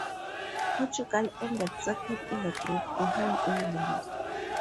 Portugal ended second in the group, behind England.